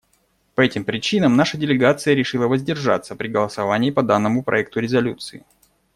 По этим причинам наша делегация решила воздержаться при голосовании по данному проекту резолюции.